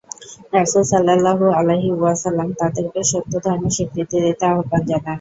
রাসূল সাল্লাল্লাহু আলাইহি ওয়াসাল্লাম তাদেরকে সত্য ধর্মের স্বীকৃতি দিতে আহবান জানান।